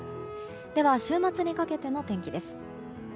では、週末にかけての天気です。